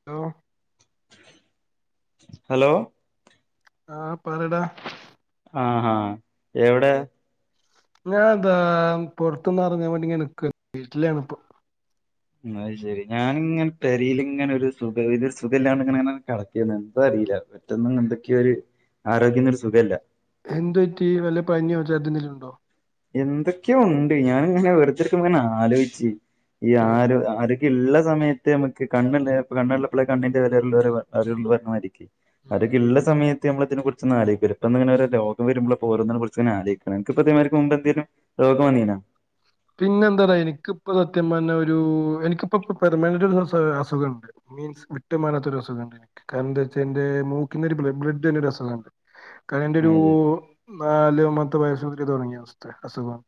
Hello hello ആഹ് പറെടാ ആഹ് ഹാ എവിടെ ഞാൻ ഇതാ പുറത്ത്ന്ന് എറങ്ങാൻ വേണ്ടി ഇങ്ങനെ നിക്കാണ് വീട്ടിലാണ് ഇപ്പോ. അത് ശെരി ഞാനിങ്ങനെ പെരലിങ്ങനെ ഒരു സുഖ ഇതൊരു സുഖല്ലാണ്ട് ഇങ്ങനെ ഇങ്ങനെ കടക്കയാണ് എന്താ അറിയില്ല. പെറ്റൊന്നും എന്തൊക്കെയൊ ഒരു ആരോഗ്യന്നു ഒരു സുഖല്ല. എന്തു പറ്റി വല്ല പനിയോ [unintelligible] ഉണ്ടോ? എന്തൊക്കെയോ ഉണ്ട് ഞാനിങ്ങനെ വെറുതെ ഇരിക്കുമ്പോ ഇങ്ങനെ ആലോചിച്ച് ഈ ആഹ് ആര് ആര് ഇള്ള സമയത്ത് നമ്മക്ക് കണ്ണ് ഇണ് കണ്ണ്ള്ളപ്പളെ കണ്ണിന്റെ വെല അറിയുള്ളു [unintelligible] അറിയുള്ളു പറഞ്ഞ മാതിരിക്കി ഉം അവരൊക്കെ ഇള്ള സമയ ത്ത് നമ്മളതിനെ കുറിച്ചൊന്നും [unintelligible] ഇപ്പ ഇന്ന് ഇങ്ങനെ ഓരോ രോഗം വരുമ്പളെ ഇപ്പ ഓരോന്നിനെ കുറിച്ച് ഇങ്ങനെ ആലോയിക്കണേ നിനക്കിപ്പ [unintelligible] ക്ക് മുമ്പ് എന്തേലും രോഗം വന്നീനാ? പിന്നെ എന്താ പറയാ എനിക്കിപ്പ സത്യം പറഞ്ഞ ഒരു എനിക്കിപ്പ ഇപ്പ പെർമാനന്റ് ഒരു [unintelligible] അസുഖണ്ട്. മീൻസ് വിട്ട് മാറാത്ത ഒരു അസുഖണ്ട്. കാരണം എന്താ വച്ചാ എന്റെ മൂക്കിന്നൊരു ബ്ല ബ്ലഡ് തന്ന ഒരസുഖുണ്ട്. കാരണം എന്റെ ഒരു അത് ശരി. നാലാമത്തെ വയസ് മുതല് തൊടങ്ങിയ അവസ്ഥയാ അസുഗാണ്,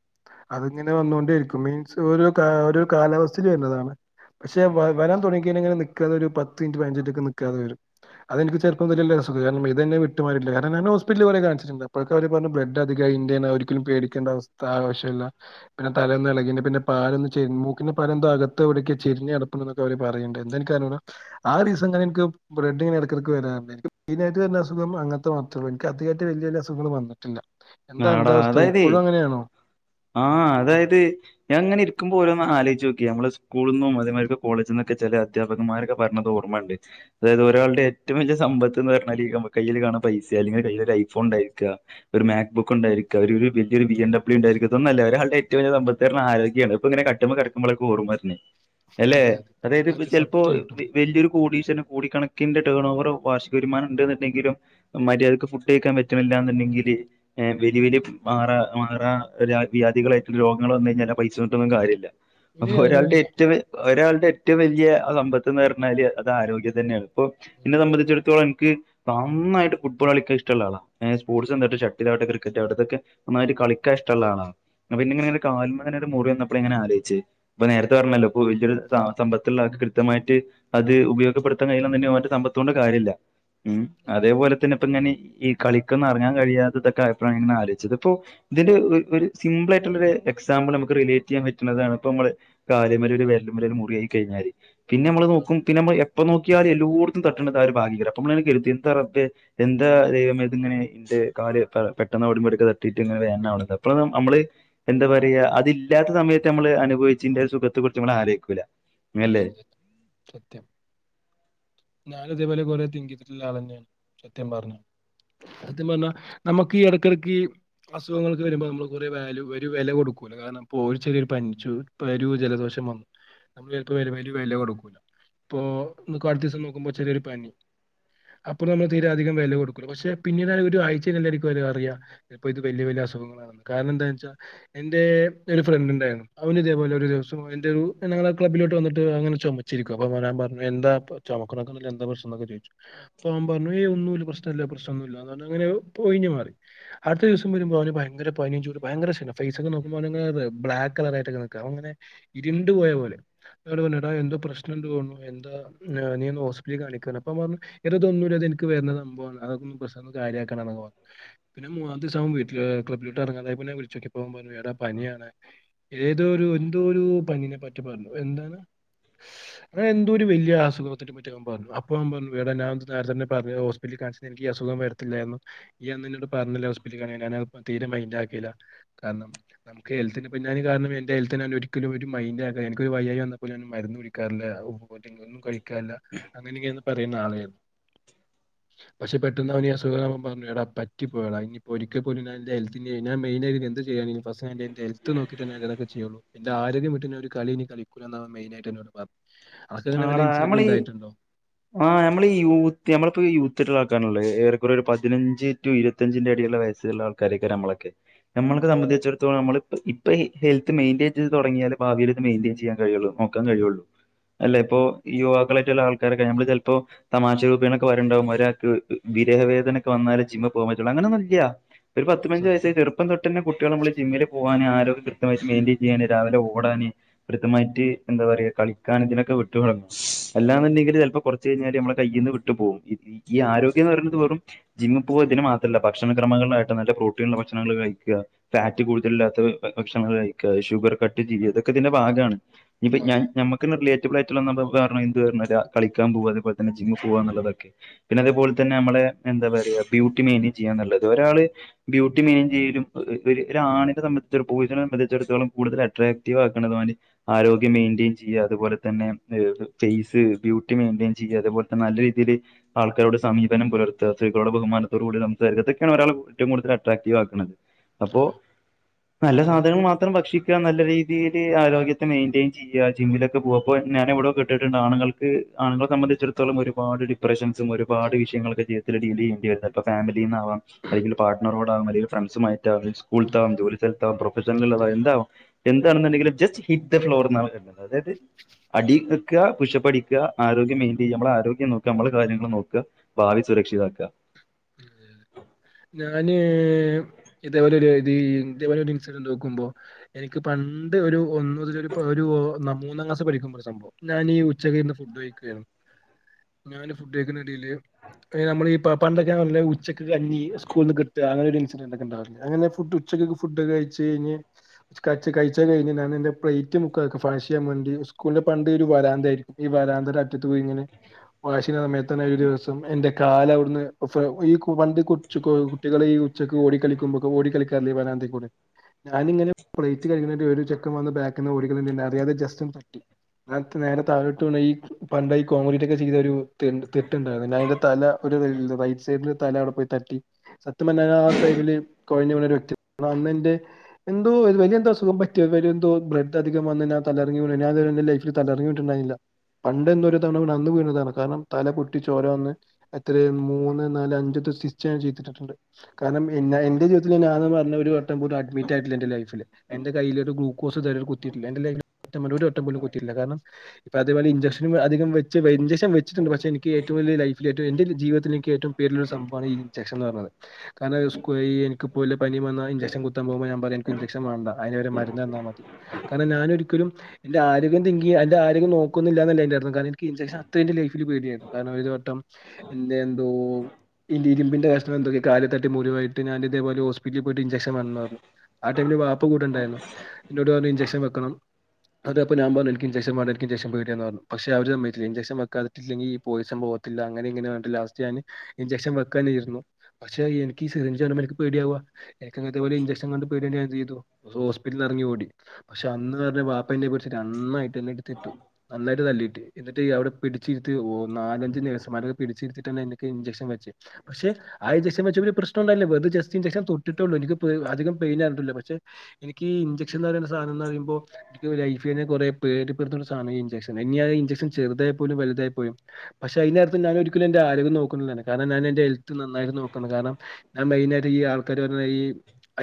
അതന്നാണ് [unintelligible] വ ന്നോണ്ടേരിക്കും മീൻസ് ഓരോ കാ ഓരോ കാലാവസ്ഥയില് വര്ന്നതാണ്. പക്ഷേ വ വരാൻ തൊടങ്ങി കഴിഞ്ഞാങ്ങനെ നിക്കാതെ ഒരു പത്ത് മിനിറ്റ് പതിനഞ്ച് മിനിറ്റൊക്കെ നിക്കാതെ വരും. അതെനിക്ക് ചെറുപ്പം മുതലെ ഇള്ള അസുഖ, കാരണം ഇതെന്നെ വിട്ട് മാറീട്ടില്ല, കാരണം എന്നെ എന്നെ ഹോസ്പിറ്റലില് കൊറേ കാണിച്ചിട്ടുണ്ട് അപ്പഴ് അവര് പറഞ്ഞ് ബ്ലഡ് അധികാ അയിന്റെയാണ്, ഒരിക്കലും പേടിക്കേണ്ട അവസ്ഥ ആവശ്യല്ല പിന്നെ തല ഒന്ന് എളകിന്റെ പിന്ന പാലൊന്ന് ചെ മൂക്കിന്റെ പാല എന്തോ അകത്ത് എവിടൊക്കെ ചെരിഞ്ഞ് കെടപ്പ്ന്ന്ണ്ട് ഓല് പറയ്ണ്ട് എന്താ എനിക്കർഞ്ഞൂട. ആ ദിസം ഇങ്ങനെ എനിക്ക് ബ്ലഡ്ഡ് ഇങ്ങനെ എടക്കടക്ക് വരാറ്ണ്ട് [unintelligible] പിന്നെ [unintelligible] അങ്ങനത്തെ [unintelligible] എനിക്ക് അധികായിട്ട് വലിയ വലിയ അസുഖങ്ങള് വന്നിട്ടില്ല, എന്താ അന്റെ ആടാ അവസ്ഥ അതായതേ ഇപ്പഴും അങ്ങനെയാണോ? ആഹ് അതായത് ഞാ ഇങ്ങനെ ഇര്കുമ്പോ ഓരോന്ന് ആലോയിച്ച് നോക്കി ഞമ്മള് സ്കൂള്ന്നും അതേമായിരിക്ക് കോളേജിന്നൊക്കെ ചെല അധ്യാപകന്മാരൊക്കെ പറഞ്ഞത് ഓർമ്മണ്ട് അതായത് ഒരാളുടെ ഏറ്റവും വലിയ സമ്പത്ത്ന്ന് പറഞ്ഞാല് നമ്മ കയ്യില് കാണ പൈസ അല്ലെങ്കിൽ കയ്യിലൊരു ഐഫോൺ ഉണ്ടായിരിക്ക ഒരു മേ [unintelligible] ഒണ്ടായിരിക്ക അവര് വലിയൊരു ബി എൻ ഡബ്ല്യൂ ഉണ്ടായിരിക്ക ഇതൊന്നല്ല ഒരാള്ടെ ഏറ്റവും വലിയ സമ്പത്ത് പറിഞ്ഞാല് ആരോഗ്യാണ് പ്പ ഇങ്ങനെ കട്ട്മ്മെ കെട് നമ്മളെ ഒക്കെ ഓർമ്മ വര്‌നെ, യെല്ലെ അതെ അതെ. അതായത് ഇപ്പ അതെ ചെലപ്പോ സത്യായിട്ടും. വെ വെല്യരു കോടീശ്വര്‌ന് കോടികണ ക്കിന്റെ ടേൺ ഓവറോ വാർഷിക വരുമാനം ഇണ്ട്ന്നുണ്ടെങ്കിലും മര്യാദക്ക് ഫുഡ് കയിക്കാൻ പറ്റണില്ല്യന്ന് ഇണ്ടെങ്കില് എഹ് വെല്ല്യ വെല്ല്യ മാറാ മാറാ [unintelligible] വ്യാധികള് രോഗങ്ങള് വന്ന് കഴിഞ്ഞാല് ആ പൈസറ്റൊന്നും കാര്യല്ല. ഒരു അപ്പോ ഒരാളുടെ കാര്യവുമില്ല. ഏറ്റവും വെ ഒരാളുടെ ഏറ്റവും വല്ല്യ സമ്പത്ത്ന്ന് പറഞ്ഞാല് അത് ആരോഗ്യം തന്നെണ്. ഇപ്പോ എന്നെ സംബന്ധിച്ചിടത്തോളം എൻക്ക് നന്നായിട്ട് ഫുട്ബോൾ കളിക്കാനിഷ്ടള്ള ആളാ, എ സ്പോർട്സ് [unintelligible] ഇതാവട്ടെ ക്രിക്കറ്റ് ആവട്ടെ ഇതൊക്കെ നന്നായിട്ട് കളിക്കാ ഇഷ്ടള്ള ആളാ. പിന്നെ ഇങ്ങെനെ ഇങ്ങെനെ കാൽമങ്ങനെ ഒരു മുറി വന്നപ്പളാ ഇങ്ങനെ ആലോയിച്ച് ഇപ്പ നേരത്തെ പറഞ്ഞല്ലോ ഇപ്പൊ വല്യരു സ സമ്പത്ത്ള്ള ആൾക്ക് കൃത്യമായിട്ട് അത് ഉപയോഗപ്പെട്ത്താൻ [unintelligible] ഓന്റെ സമ്പത്തോണ്ട് കാര്യല്ല. മ് അതേപോലെ തന്നെ ഇപ്പം ഇങ്ങനെ ഈ കളിക്കൊന്നും എറങ്ങാൻ കഴിയാത്തതൊക്കെ ആയപ്പളാണ് ഞാൻ ഇങ്ങനെ ആലോയിച്ചത് ഇപ്പോ ഇതിന്റെ ഒരു സിംമ്പിളായിട്ട്ള്ള ഒരു എക്സാമ്പിൾ നമുക്ക് റിലേറ്റ് ചെയ്യാൻ പറ്റ്ണതാണ് ഇപ്പ മ്മള് കാലിമ്മല് ഒരു വെര്ല്മ്മല് ഒരു മുറിയായി കഴിഞ്ഞാല് പിന്നെ മ്മള് നോക്കും പിന്നെ എപ്പ നോക്കും ക്ക്യാറും എല്ലോടത്തും തട്ടണത് ആ ഒരു ഭാഗ്ത്തേക്കാരം ഞമ്മള് അപ്പകര്തി എന്താ റബ്ബെ യെന്താ ദൈവമേ ഇതിങ്ങനെ കാല് പെട്ടെന്ന് ഔടിം ബടിം യൊക്കെ തട്ടീട്ട് ങ്ങനെ വേദനാവ്ണ്ന്ന് അപ്പ മ്മള് എന്താ പറയാ അതില്ലാത്ത സമയത്ത് ന്നമ്മൾ അനുഭവിച്ചീന്റെ സുഖത്തെ കുറിച്ച് ന്നമ്മള് ആലോയികൂല ഇല്ല ഇല്ല സത്യം ഞാനും ഇതേ പോലെ കൊറേ ചിന്തിച്ചിട്ടുള്ള ആളന്ന്യാണ് സത്യം പറഞ്ഞാ സത്യം പറഞ്ഞാ മ്മക്ക് ഈ യെടക്കെടക്ക് അസുഖങ്ങളൊക്കെ വെരുമ്പോ നമ്മൾ കുറെ വാല്യു ഒരു വെല കൊടുക്കൂ കാരണം പ്പോ ഒരു ചെറിയ രീതീല് പനിച്ചു പൊരുജലദോഷം വന്നു നമ്മള് ചെലപ്പോ ഒരു വെല കൊടുക്കൂല പ്പോ കാലതീസം നോക്കുമ്പോ ചെറിയൊരു പനി അപ്പൊ നമ്മള് തീരെ അധികം വെല കൊടുക്കൂല പക്ഷെ പിന്നീട് ഒരു ആയ്ച്ച കഴിഞ്ഞിട്ടേക്കാരം അറിയാ ഇപ്പൊ ഇത് വല്ല്യ വല്ല്യ അസുഖങ്ങളാ ണ്ന്ന് കാരണം എന്താച്ചാ എന്റെ ഒരു ഫ്രണ്ട് ണ്ടായിരുന്നു അവന് ഇതേപോലെ ഒരു ദിവസം എന്റെ ഒരു ഞങ്ങള്ങ്ങനെ ക്ലബിലോട്ട് വന്നട്ട് അങ്ങനെ ചൊമചിരിക്ക അപ്പം ഞന് പറഞ് എന്താ ചൊമക്ക്ണ് എന്താ പ്രശ്നംന്നൊക്കെ ചോയ്ച്ചു അപ്പൊ ഓന് പറഞ്ഞു ഒരു പ്രശ്നല്ല്യ പ്രാനൊന്നുല്ല്യ പറഞ് ഒഴിഞ്ഞ് മാറി അടുത്ത ദിവസം വരുമ്പോ അവന് ഭയങ്കര പനി ഭയര ക്ഷീണം ഫെയ്സൊക്കെ നോക്കുമ്പോ ബ്ലാക്ക് കളറായിട്ട്ങ്ങനെക്ക ഇരുണ്ട് പോയ പോലെ ന്നോട് പറഞ്ഞു എടാ പ്രശ്നണ്ട് തോന്നുന്നു എന്താ നീ ഒന്ന് ഹോസ്പിറ്റലീ കാണിക്ക്ന്നറ്ഞ്ഞു അപ്പ ഓൻ പറഞ്ഞു യെടതോന്നുല്ല്യ ഇനിക്ക് വര്ന സംഭവാണ് അതൊന്ന് പ്രശ്നല്ല കാര്യാക്കണ്ടന്നൊക്കെ പറഞ് പിന്നെ മൂന്നാമതീസം ക്ലബ്ബിലോട്ട് എറങ്ങാതായപ്പൊ ഞാന് വിളിച്ചോക്കീപ്പം അവന് പറഞ്ഞു എടാ പനിയാന്ന് ഏതോരു എന്തോ ഒരു പനിനെ പറ്റി പറഞ്ഞു എന്താണ് [inaudible] ഞാ എന്തോ ഒരു വല്യ അസുഖത്തെ പറ്റി അവൻ പറഞ്ഞു അപ്പ അവാ പറഞ്ഞു ടാ ഞാൻ നേരത്തന്നെ പറഞ്ഞ ഹോസ് [unintelligible] കാണിച്ചത് എനിക്ക് അസുഖം വരത്തില്ലായിരുന്നു ഇയ്യന്ന് ഇന്നോട് പറഞ്ഞിലെ ഹോസ്പിറ്റലിൽ കാണിക്കാൻ ഞാനത് തീരെ മൈന്റാ ക്കിയില്ല കാരണം നമക്ക് ഹെൽത്തി പിന്നാൽ കാരണം എന്റെ ഹെൽത്തി ഒരിക്കലും ഒരു മൈൻഡ് ആക്ക ക്കൊരു വയ്യായി വന്നാപ്പോലും മരുന്ന് കുടിക്കാറില്ല [unintelligible] ഒന്നും കഴിക്കാനില്ല അങ്ങനെങ്ങനെയന്ന് പറയുന്ന ആളേരുന്നു [inaudible] പക്ഷെ പെട്ടെന്ന് അവനസുഖ പറഞ്ഞു ടാ പറ്റിപ്പോയട ഇനിപ്പോ ഒരിക്കലും ഞാൻ ഹെൽത്തിന്റെ മെയിനായി എന്ത് ചെയ്യാനിനി ഫസ്റ്റ് എന്റെ ഹെൽത്ത് നോക്കിറ്റതൊക്കെ ചെയുള്ളൂ എന്റെ ആരോഗ്യ വിട്ട് ഒരു കളിയിനി കളിക്കൂലന്നവൻ മെയിനായിട്ട് പറഞ് അവസാനം അങ്ങനെ വല്ല ആടാ ഇൻസിഡന്റ് നമ്മള് ഈ ഇണ്ടായിട്ടുണ്ടോ ആഹ് നമ്മള് യൂത്ത് നമ്മളിപ്പോ യൂത്ത്ട്ട ആക്കാനുള്ളേ ഏറെകുറെ ഒരു പതിനഞ്ച് റ്റു ഇരുപത്തഞ്ചിന്റെ ഇടയിലുള്ള വയസ്സുള്ള ആൾക്കാരൊക്കെ നമ്മളൊക്കെ നമ്മള്ക്ക് സംബന്ധിച്ചിടത്തോളം നമ്മള് ഇപ്പ ഇപ്പ ഹെൽത്ത് മെയിന്റൈൻ ചെയ്ത് തുടങ്ങിയല് ഭാവിയില് ഇത് മെയിന്റൈൻ ചെയ്യാൻ കഴിയുള്ളു ക്കാൻ കഴിയുള്ളു ആ, അല്ലെ ഇപ്പൊ യുവാക്കളായിട്ടുള്ള ആൾക്കാരക്കെ നമ്മള് ചെലപ്പോ തമാശ രൂബെനെക്കെ വരണ്ടാവും ഒരാക്ക് വിരഹ വേദന ഒക്കെ വന്നാലേ ജിമ്മ് പോകൻ പറ്റുള്ളൂ അങ്ങനൊന്നുല്ല്യ ഒരു പത്ത് ആ, പയ്നഞ്ച വയസായാ സത്യം ചെറു പ്പം തൊട്ടന്നെകുട്ടികളെ നമ്മള് ജിമ്മില് പോവാന് ആരോഗ്യം കൃയമായി് മെയിന്റയിൻ ചെയ്യാന് രാവിലെ ഓടാന് കൃത്തമായിട്ട് എന്താ പറയാ കളിക്കാനിതിനൊ വിട്ട് തുടങ്ങ്ക അല്ലാന്നുണ്ടെങ്കിൽ ചെലപ്പോ കുറച്ച് കഴിഞ്ഞാൽ നമ്മ കയിൽന്ന് വിട്ടു പോവും ഈ ആരോഗ്യം എന്ന് പറയുന്നത് വെറും ജിമ്മിൽ പോക ഇതിന് മാത്രല്ല ഭക്ഷണ ക്രമങ്ങളായിട്ട് നല്ല പ്രോട്ടീനുള്ള ഭക്ഷണങ്ങൾ കഴിക്ക ഫാറ്റ് കൂട്തല് ല്ലാത്ത ഭ ഭക്ഷണങ്ങൾ കഴിക്കാ, ഷുഗർ കട്ട് ചെയ്യാ. തൊക്കെ തിന്റെ ഭാഗാണ്. ഞ്ഞിപ്പം ആ, ഞാന് ഞമ്മക്ക് ന്ന് [unintelligible] [unintelligible] മറ്റെ കളിക്കാം പോവാ അതെ പോലെ തന്നെ ജിമ്മ് പോവാ ന്ന് ള്ളൊതൊക്കെ പിന്നെ അതുപോലെ തന്നെ അമ്മളെ എന്താ പറയാ ബ്യൂട്ടി മെയ്ൻ്റേം ചെയ്യാന്ന് ള്ളത്. ഒരാള് ബ്യൂട്ടി മെയിൻ ചെയ്ലും ഒര് ഒര് ഒരാണിൻ്റെ സംബന്ധിച്ച് ഒര് ബോയ്സിനെ സംബന്ധിച്ചിടത്തോളം കൂടുതല് അട്രാക് റ്റീവ് ആക്ക്ണത് ഓൻ്റെ ആരോഗ്യം മെയിൻ്റേം ചെയ്യാ. അതുപോലെ തന്നെ ഏഹ് ഫേയ്സ് ബ്യൂട്ടി മെയിൻ്റെൺ ചെയ്യാ അതേപലെ തന്നെ നല്ല രീതീല് ആൾക്കാരോട് സമീപനം പുലർത്താ. സ്ത്രീകളോട് ബഹമാനത്തോടു കൂടി സംസാരിക്കാ. തൊക്കെയാണ് ഒരാള് ഏറ്റവും കൂടുതല് അട്രാക്റ്റീവ് ആക്ക്ണെ. ആ, അപ്പൊ നല്ല സാധനങ്ങൾ മാത്രം ഭക്ഷിക്കാ. നല്ല രീതിയില് ആരോഗ്യത്തെ മെയിൻ്റെയിൻ ചെയ്യാ. ജിമ്മിലൊക്കെ പോ.... അപ്പൊ ഞാന് എവ്ടൊ കേട്ട്ട്ടുണ്ട് ആണ്ങ്ങൾക്ക് ആണുങ്ങളെ സംബന്ധിച്ചട്ത്തോളം ഒരുപാട് ഡിപ്രഷൻസും ഒരുപാട് വിഷയങ്ങളൊക്കെ ചെയ്ത് [unintelligible] അപ്പം ഫാമിലീന്നാവാം. അല്ലെങ്കി പാർട്ണറോടാവാം, അല്ലെങ്കില് ഫ്രണ്ട്സുമായിട്ടാവാം, അ.... ഉം, സ്കൂൾത്താവം, ജോലി സ്ഥലത്താവാം, പ്രൊഫഷണല് അതെ ള്ളവാം, എന്താവാം എന്താണ്ന്ന്ണ്ടെങ്കിലും ജസ്റ്റ് ഹിറ്റ് ദ ഫ്ലോറ് ന്നാവാം ക അതായത് അടിവെക്കാ, പുഷ്ഷപ്പടിക്കാ, ആരോഗ്യം മെയിൻ്റെയ്യാ. അമ്മളെ ആരോഗ്യം നോക്കാ, അമ്മളെ കാര്യങ്ങള് നോക്കാ. ഭാവി സുരക്ഷിതാക്കാ. ആ ഞാന് ഇതേപോലെ ഒര് തീ ഇതേപോലൊരു ഇൻസിഡന്റ് നോക്കുമ്പൊ എനിക്ക് പണ്ട് ഒരു ഒന്നതില് ഒരു പ ഒരു ന്നാ മൂന്നാം ക്ലാസ് പഠിക്കുമ്പൊ ഒര് സംഭവം ഞാനീ ഉച്ചക്ക് ഇര്ന്ന് ഫുഡ്കഴിക്കുവായിരുന്നു ഞാൻ ഫുഡ് കഴിക്കുന്നതിനിടയില് ഏഹ് നമ്മളീ പ പണ്ട് ഇത് ഞാൻ പർഞ്ഞില്ലെ ഉച്ചക്ക് കഞ്ഞി സ്കൂൾന്ന് കിട്ടാ അങ്ങനെ ഒര് ഇൻസിഡന്റ് ഒക്കെണ്ടാവാറ്ണ്ട്. അങ്ങനെ ഫുഡ് ഉച്ചകൊക്കെ ഫുഡൊക്കെ കഴിച്ച് കഴിഞ് കച്ച് കഴിച്ച് കഴിഞ് ഞാനെന്റെ പ്ലെയിറ്റ് മുക്കാക്ക [unintelligible] സ്കൂൾന്റെ പണ്ട് ഒര് വരാന്തായിരിക്കും ഈ വരാന്തൻ്റെ അറ്റത്ത് പോയി ങ്ങനെ വാഷെയ്യ്ണെ സമയത്തെന്നെ ഒര് ദിവസം എന്റെ കാല് അവ്ട്ന്ന് ഫെ ഈ കു വണ്ടി കൊച്ചു കു കുട്ടികള് ഈ ഉച്ചക്ക് ഓടിക്കളിക്കുമ്പൊക്കെ ഓടി കളിക്കാറില്ലെ വരാന്തെ കൂടെ. ഞാന്ങ്ങനെ പ്ലേറ്റ് കഴ്ക്ണേൻ്റെ ഒരു ചെക്കൻ വന്ന് ബേക്ക്ന്ന് ഓടികളിക്ക്ന്നെൻ്റെ അറിയാതെ ജസ്റ്റൊന്ന് തട്ടി. ഞാൻ ത് നേരെ താഴോട്ട് വീണോയ് പണ്ട് അയ് കോൺക്രീറ്റൊക്കെ ചെയ്ത ഒരു തിണ്ട് തിട്ടണ്ടായിരുന്നു. അതിന്റെ തല ഒരു വെൽതും സെയ്ട്‌ല് തല അവ്ടെ പോയി തട്ടി. സത്യം പർഞ്ഞാല് ആ ടൈമില് കൊഴിഞ്ഞ് വീണ ഒരു വ്യക്തിയാണ്. അന്നെൻ്റെ എന്തോ ഇത് വല്യ എന്തൊ അസുഖം പറ്റേ വരെ എന്തോ ബ്ലഡ് അധികം വന്ന് ഞാൻ തലർങ്ങി വീണ്. പിന്നെ ഞാന് ത് വരെ ൻ്റെ ലൈഫ്..... ല് തല കറങ്ങി വീണ് ട്ട്ണ്ടായില്ല. പണ്ട് എന്നൊ ഒര് തവണ വീണ് അന്ന് വീണതാണ്. കാരണം തല പൊട്ടി ചോര വന്ന് എത്രേ മൂ.... ന്ന്, നാല്, അഞ്ച് സ്റ്റിച്ച് ഞാൻ ചെയ്തിട്ട് ട്ട്ണ്ട്. കാരണം എന്നെ എന്റെ ജീവിതത്തിലെന്നെ ഞാൻ ആദ്യം പർഞ്ഞ ഒരു വട്ടം പോലും അഡ്മിറ്റായിട്ടില്ല എന്റെ ലൈഫ് ല്. എന്റെ കയ്യില് ഒരു ഗ്ലൂക്കോസ് ത് വരെ കുത്തിയിട്ടില്ല. എന്റെ ലൈഫ് ല് ഒര് വട്ടം പോലും കുത്തിട്ടില്ല. കാരണം ഇപ്പ അതെപോല ഇൻജക്ഷനും അധികം വെച്ച വെ ഇൻജക്ഷൻ വെച്ചട്ടുണ്ട്. പക്ഷെ എനിക്ക് ഏറ്റവും വല്യ ലൈഫ്‌ല് ഏറ്റവും എൻ്റൊര് ജീവിതത്ത്ല് എൻ.... ക്ക് ഏറ്റവും പേടി ള്ളൊര് സംഭവാണ് ഈ ഇൻജെക്ഷൻ ന്ന് പർഞ്ഞത്. കാരണം സ്‌കൂ ഈ എനിക്ക് പ്പൊ വല്ല പനിം വന്നാ ഇഞ്ചക്ഷൻ കുത്താം പോകുമ്പൊ ഞാ പറയും എനിക്ക് ഇഞ്ചക്ഷൻ വേണ്ട. അയിന് പകരം മര്ന്നെന്നാ മതി. കാരണം ഞാനൊരിക്കലും എന്റെ ആരോഗ്യം ൻ്റെ [unintelligible] എന്റെ ആരോഗ്യം നോക്കുന്നില്ലാ എന്നല്ല അയിൻ്റെ അർത്ഥം. കാരണം എനിക്ക് ഈ ഇഞ്ചക്ഷൻ അത്രയും എന്റെ ലൈഫ്‌ല് പേടിയായിരുന്നു. കാരണം ഒര് വട്ടം എൻ്റെ എന്തോ ഇൻ്റെ ഇരുമ്പിന്റെ കഷ്ണം എന്തൊ കെ കാല് തട്ടി മുറിവായിട്ട് ഞാന് തെപോലെ ഹോസിറ്റലിൽ പോയിട്ട് ഇഞ്ചക്ഷൻ വേണം ന്നർഞ്ഞു ആ ടൈമില് വാപ്പ കൂടെണ്ടായിരുന്നു. ഇന്നോട് പർഞ്ഞു ഇഞ്ചക്ഷൻ വെക്കണം അത് അപ്പം ഞാം പർഞ്ഞു എനിക്ക് ഇഞ്ചക്ഷൻ വേണ്ട. എനിക്ക് ഇഞ്ചക്ഷൻ പേടിയാ എന്നർഞ്ഞു പക്ഷെ അവര് സമ്മയിച്ചില്ല. ഇഞ്ചക്ഷൻ വെക്കാതെ റ്റില്ലങ്കി ഈ പോയിസം പോവത്തില്ല. അങ്ങനെ ഇങ്ങനെ പർഞ്ഞിട്ട് ലാസ്റ്റ് ഞാന് ഇൻജെക്ഷം വെക്കാനെര്ന്നു പക്ഷെ എനിക്ക് ഈ സിറിഞ്ച്‌ ആനുംമ്പോ ഇനക്ക് പേടിയാവാ. എനിക്ക് ന്ന്ട്ട് പോലെ ഇൻജെക്ഷൻ കണ്ട് പേടി [unintelligible] ഞാനന്തീതു ഹോസ്പിറ്റൽന്നറങ്ങി ഓടി. പക്ഷെ അന്ന് പർഞ്ഞ പാപ്പന്നേ പിട്ച്ച് നന്നായിട്ടന്നെ ഇട്ത്ത്ട്ടു. നന്നായിട്ട് തല്ലിയിട്ട് എന്നിട്ട് അവടെ പിടിച്ചിരുത്തി ഓ ന്നാലഞ്ച് നേഴ്‌സ് മാര് പിടിച്ചിര്ത്തി [unintelligible] ഇന്ക്ക് ഇൻജെക്ഷൻ വെച്ച് പക്ഷെ ആ ഇൻജെക്ഷൻ വെച്ചപ്പോ ഒര് പ്രശ്നോണ്ടായില്ലാ വെർതെ ജസ്‌ ഇൻജെക്ഷൻ തൊട്ട്ട്ടോള്ളൂ എനിക്ക് അധികം പൈനർഞ്ട്ടില്ല പക്ഷെ എനിക്ക് ഈ ഇൻചെക്ഷൻ ന്നറിണ സാനംന്നറിയുംമ്പോ ക്ക് ലൈഫിലന്നെ കൊറെ പേടിപ്പെട്ത്ത്ണ സാനാ ഈ ഇൻജെക്ഷൻ ഇഞ്ഞി അഅ്‌ ഇൻജെക്ഷൻ ചേർതായാ പോലും വൽതായാ പോലും. പക്ഷെ അയ്നകത്ത് ഞാന ഒരിക്കലും എന്റെ ആരോഗ്യം നോക്കുംന്ന്ള്ളാണ് കാര്ണം ഞാന് എന്റെ ഹെൽത്ത് നന്നായിട്ട് നോക്ക്ണ്ട് കാര്ണം ഞാൻ മെയ്ന് ആയിട്ട് ഈ ആൾക്കാര് പർഞ്ഞ ഈ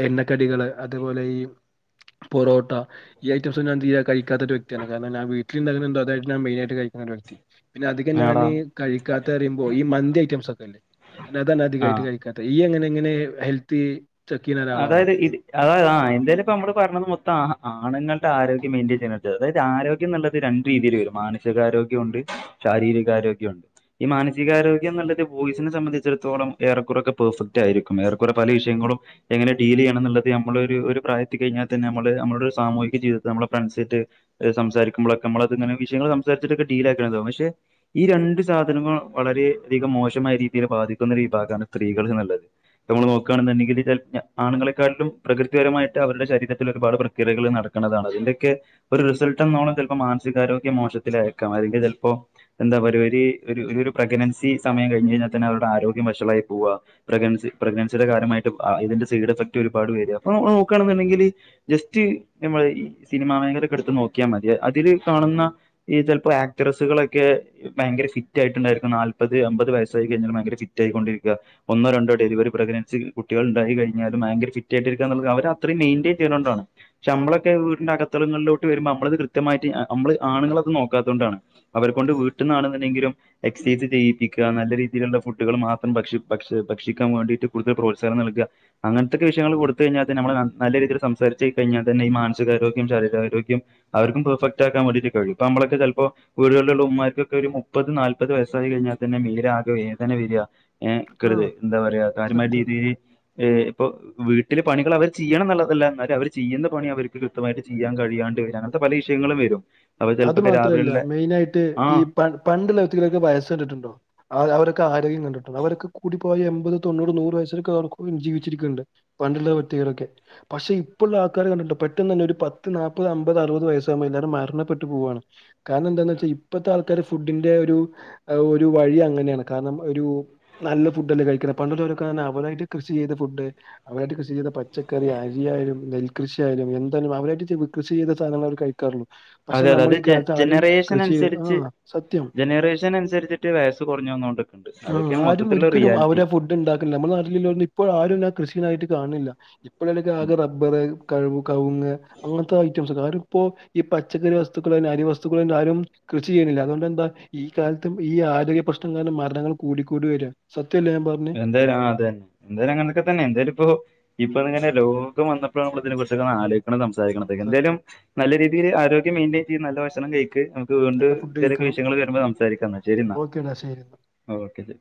എണ്ണക്കടികള് അതേ പോലെ ഈ പൊറോട്ട. ഈ ഐറ്റംസ് ഞാൻ തീരെ കയ്ക്കാത്ത ഒര് വെക്തിയാണ് കാര്ണം ഞാൻ വീട്ട്ല്ണ്ടാക്ക്ണ ന്തൊ അതായ്ര്ക്കും ഞാം മെയ്നായിട്ട് കയ്ക്ക്ണ ഒരു വെക്തി. പിന്നെ അധികം ആടാ ഞാനീ കയ്ക്കാത്തറിമ്പോ ഈ മന്തി ഐറ്റംസ് ഒക്കല്ലേ ഞാന അതാണ് ആ അധികായ്ട്ട് കഴിക്കാ ഇയ്യ് എങ്ങനെ ഇങ്ങനെ ഹെൽത്തീ അതായത് ഇത് അതായത് ആഹ് എന്തേലും ഇപ്പൊ മ്മള് പർഞ്ഞത് മൊത്തം ആഹ ആണ്ങ്ങൾടെ ആരോഗ്യം മെയിന്റെയിൻ [unintelligible] അതായ ആരോഗ്യംന്ന്ള്ളത് രണ്ട് രീതീല് വരും മാനസികാരോഗ്യോണ്ട് ശാരീരികാരോഗ്യോണ്ട്. ഈ മാനസികാരോഗ്യംന്ന്ള്ളത് ബോയ്സിനെ സംബന്ധിച്ചിടത്തോളം ഏറെകൊറൊക്കെ പെർഫെക്റ്റ് ആയിരി വേറെ കൊറെ പല വിഷയങ്ങളും എങ്ങനെ ഡീലിയ്യണംന്ന്ള്ളത് ഞമ്മള ഒര് ഒരു പ്രായത്തി കയ്ഞ്ഞാൽ തന്നെ ഞമ്മള് ഞമ്മടെ സാമൂഹിക ജീവിതത്തേ ന്നമ്മളെ ഫ്രണ്ട്സേറ്റ് സംസരിക്കുമ്പോളൊക്കെ മ്മളത്ങ്ങനെ വിഷയങ്ങള് സംസാരിച്ച്ട്ടൊക്കെ ഡീലാആക്കണ്ടതാവും പക്ഷെ ഈ രണ്ട് സാധനങ്ങൾ വളരെ അധികം മോശമായ രീതിയിൽ ബാധിക്കുന്ന ഒരു വിഭാഗാണ് സ്ത്രീകള് എന്ന്ള്ളത്. അതമ്മള് നോക്കാണെന്ന്ണ്ടങ്കില് ചേൽ ആണുങ്ങളെക്കാട്ട്ലും പ്രകൃതിപരമായിട്ട് അവരുടെ ശരീരത്തിൽ ഒരുപാട് പ്രക്രിയകൾ നടക്ക്ണതാണ് അതിന്റെക്കെ ഒര് റിസൽട്ടന്നൊളം ചേൽപ്പം മാൻസികാരോഗ്യം മോശത്തിലാ ആയേക്കാം അല്ലെങ്കിൽ ചെൽപ്പോ എന്താ പറയ ഒര് ഒരു ഒര് രു പ്രഗ്നൻസി സമയം കയ്ഞ്ഞയ്ഞാൽ തന്നെ അവരുടെ ആരോഗ്യം വഷളായി പുവ്വാ. പ്രഗ്നൻസി പ്രഗ്നൻസിടെ കാര്യമായിട്ട് ആ ഇതിന്റെ സൈഡ് എഫക്ട് ഒരുപാട് പേര് അപ്പൊ ന്നൊക്ക് ആണ് ന്ന്ണ്ടെങ്കില് ജസ്റ്റ് ഞമ്മള് ഈ സിനിമാ മേഖലക്കട്ത്ത് ന്നൊക്കിയാ മതി അതില് കാണുന്ന ഈ ചെൽപ്പോ ആക്ട്രസുകളൊക്കെ ഭയങ്കര ഫിറ്റായിട്ടുണ്ടായിരുക്കും ന്നാൽപ്പത് അമ്പത് വയസായി കയ്ഞ്ഞാലും ഭയങ്കര ഫിറ്റ് റ്റായി കൊണ്ടിരിക്ക്ആ ഒന്നോ രണ്ടോ ഡെലിവറി പ്രഗ്നൻസി കു കുട്ടികള്ണ്ടായി കയ്ഞ്ഞാലും ഭയര ഫിറ്റ് ആയിട്ടിരിക്കാന്ന്ള്ളത് അവരത്രേം മെയ്ന്റെയിൻ ചെയ്യ്ണോണ്ടാണ്. പക്ഷെ അമ്മളൊക്കെ വീടിന്റെ അകത്തളങ്ങൾലോട്ട് വരുമ്പോ അമ്മളത് കൃത്യമായിട്ട് അമ്മള് ആണുങ്ങളത് ന്നോക്കാതോണ്ടാണ്. അവരേ കൊണ്ട് വീട്ട്ന്നാണ് ന്ന്ണ്ടെങ്കിലും എക്സൈസ് ചെയ്യിപ്പിക്കാ ന്നല്ല രീതീല്ള്ള ഫുഡുകള് മാത്രം ഭക്ഷി ഭക്ഷ ഭക്ഷിക്കാം വേണ്ടീട്ട് കൊട്ത്ത് പ്രോൽ സാനം ന്നൽക്ആ. അങ്ങൻത്തെക്കെ വിഷയങ്ങള് കൊടുത്തയ്ഞാൽ തന്നേ ഞമ്മളെ ന്നല്ല രീതീല് സംസാരിച്ച് കയ്ഞ്ഞാ തന്നെ ഈ മാൻസികാരോഗ്യം ശരീരാരോഗ്യം അവര്ക്കും പെർഫക്റ്റാക്കാം വേണ്ടീറ്റ് കഴിയും പ്പമ്മളൊക്ക ചെൽപ്പോ വീടേൾല്ള്ള ഉമ്മാര്ക്കൊക്കെ ഒരു മുപ്പത് ന്നാൽപ്പത് വയസ്സായി കയ്ഞ്ഞാൽ തന്നെ മീലാകെ വേദന വേര്ആ. ഏഹ് ആ ക്കരുത് എന്താ പറയാ കാര്യമായ സത്യം രീതിയി ഏഹ് ഇപ്പൊ വീട്ടില പണികൾ അവർ ചിയ്യണം ന്ന്ള്ളതല്ല ന്നാലു അവര് ചിയ്യുന്ന പണി അവര്ക്ക് കൃത്യമായിട്ട് ചിയ്യാൻ കഴിയാണ്ട് വര്ആ അങ്ങ ത്ത പല വിഷയങ്ങളും വരും. അപ്പോൾ അത് ചിലപ്പോൾ മാത്രല്ല രാവിലെയുള്ള മെയ്നായിട്ട് ആ ഈ പ പണ്ടുള്ള വ്യക്തികളെക്കെ വയസ്സണ്ട്ട്ടുണ്ടോ അവരൊക്ക ആരോഗ്യം കണ്ട്ട്ടുണ്ടോ അവരൊക്കെ കൂടി ഇപ്പൊ എമ്പത് തൊണ്ണൂറ് ന്നൂറ് വയസ്സൊരോക്കെ [unintelligible] ജീവിച്ചിരിക്ക്ണ്ട് പണ്ട്ള്ള വ്യക്തികളൊക്കെ. പക്ഷെ ഇപ്പള്ള ആൾക്കാരേ കണ്ടിട്ട്ണ്ടോ പെട്ടന്നനെ ഒരു പത്ത് ന്നാപ്പത് അമ്പത് അറുപത് വയസ്സാവുംമ്പോ എല്ലാരും മര്ണ പെട്ട് പുവ്വാണ് കാര്ണം എന്താന്ന് വെച്ചാ ഇപ്പത്തെ ആൾക്കാര് ഫുഡിന്റെ ഒരു അഅ്‌ ഒരു വഴി അങ്ങനേണ് കാര്ണം ഒരു നല്ല ഫുഡ്ല്ലേ കഴിക്ക്ണെ പണ്ടലോല്ക്ക അവരായി കൃഷി ചെയ്ത ഫുഡ് അവരായിട്ട് കൃഷി ചെയ്ത പച്ചക്കറി അരിയായാലും നെൽകൃഷി ആയാലുംഎന്താലും അവരായിട്ട് കൃഷി ചെയ്ത സാധനങ്ങളാ അവര്കഴി ക്കാറുള്ളു അതെ അതെ അത് ജന ജനറേഷൻ ആ അനുസരിച്ച് സത്യം ജനറേഷൻ അനുസരിച്ചിട്ട് വയസ്സ് കുറഞ്ഞ് വന്നോണ്ട് ആ ആരും ഒരിക്കലും അവരെ ഫുഡ് ഉണ്ടാക്ക്ണ്ല്ല നമ്മളെ നാട്ടില്ഇല്ലോലൊന്നും ഇപ്പോ ആരുംഞാൻ കൃഷി ചെയ്യുന്നതായിട്ട് കാണ് ണില്ല ഇപ്പൊളെക്കൊ ആകെ റബ്ബർ കഴ് കവുങ്ങ് അങ്ങനത്തെ ഐറ്റംസ് കാരണം ഇപ്പോ ഈ പ പച്ചക്കറി വസ്തുക്കൾ അരി വസ്തുക്കളെ ആരും കൃഷി ചെയ്യുണില്ല അതുകൊണ്ട് എന്താ ഈ കാലത്തും ഈ ആരോഗ്യ പ്രശ്നംകാരണം മരണങ്ങൾ കൂടിക്കൂടി വര സത്യ അല്ലെഞാൻ പറഞ്ഞെ എന്തായാലും ആ അതെ എന്താലുംഅങ്ങനൊക്കെന്നെതന്നെ എന്തായാലും ഇപ്പൊ ഇപ്പൊ ഇങ്ങനെ രോഗം വന്നപ്പോഴ ഇതിനെ കുറിച്ചൊക്കെ ആലോയിക്കണ് സ എന്തായാലും സത്യം നല്ല രീതിയിൽ ആരോഗം മെയിന്റയിൻ ചെയ്ത് നല്ല ഭക്ഷണം കഴിക്ക് വീണ്ട് നല്ല ഫുഡ് എന്തെങ്കിലോക്കെ കഴിക്കണം വിഷയങ്ങൾ വരുമ്പോ സംസാരിക്ക ശെരി ഇന്നാ ഓക്കേടാ ശരി എന്നാ ഓക്കെ